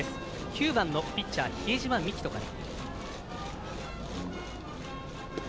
３番のピッチャー、比江島幹から。